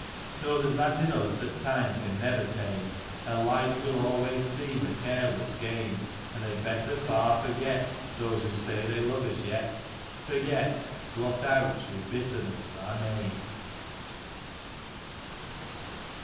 No, there's that in us that time can never tame; And life will always seem a careless game; And they'd better far forget — Those who say they love us yet — Forget, blot out with bitterness our name.